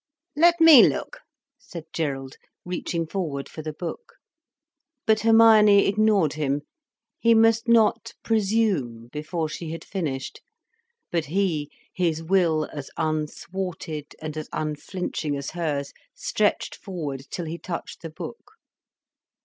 "Let me look," said Gerald, reaching forward for the book. But Hermione ignored him, he must not presume, before she had finished. But he, his will as unthwarted and as unflinching as hers, stretched forward till he touched the book.